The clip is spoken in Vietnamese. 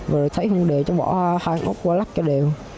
rồi thấy không đều cho bỏ hai ốc qua lắc cho đều